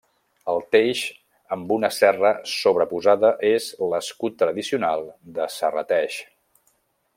El teix amb una serra sobreposada és l'escut tradicional de Serrateix.